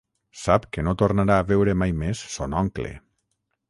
Sap que no tornarà a veure mai més son oncle.